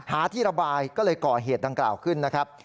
ที่ระบายก็เลยก่อเหตุดังกล่าวขึ้นนะครับ